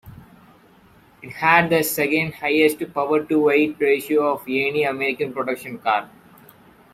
It had the second highest power-to-weight ratio of any American production car.